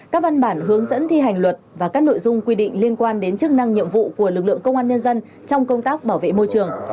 các văn bản hướng dẫn thi hành luật và các nội dung quy định liên quan đến chức năng nhiệm vụ của lực lượng công an nhân dân trong công tác bảo vệ môi trường